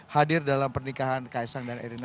hadir dalam pernikahan kak esang dan erina